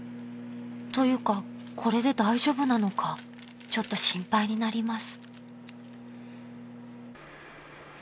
［というかこれで大丈夫なのかちょっと心配になります］